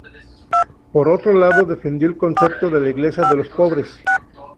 Por otro lado defendió el concepto de la "iglesia de los pobres".